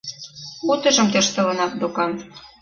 — Утыжым тӧрштылынат докан...